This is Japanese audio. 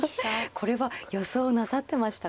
これは予想なさってましたか。